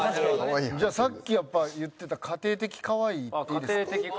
じゃあさっきやっぱ言ってた「家庭的カワイイ」いっていいですか？